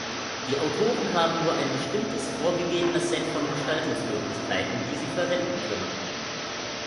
Die Autoren haben nur ein bestimmtes, vorgegebenes Set von Gestaltungsmöglichkeiten, die sie verwenden können.